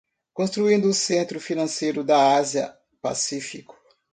Construindo um Centro Financeiro da Ásia-Pacífico